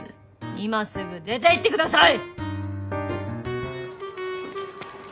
今すぐ出て行ってください！